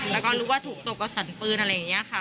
แล้วก็รู้ว่าถูกตกกระสุนปืนอะไรอย่างนี้ค่ะ